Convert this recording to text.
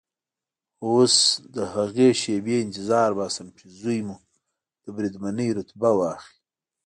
اوس د هغې شېبې انتظار باسم چې زوی مو د بریدمنۍ رتبه واخلي.